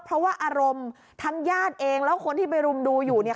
เพราะว่าอารมณ์ทั้งญาติเองแล้วคนที่ไปรุมดูอยู่เนี่ย